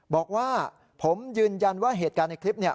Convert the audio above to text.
บอกว่าผมยืนยันว่าเหตุการณ์ในคลิปเนี่ย